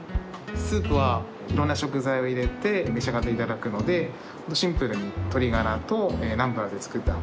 スープはいろんな食材を入れて召し上がっていただくのでシンプルに鶏がらとナンプラーで作ったスープになっております。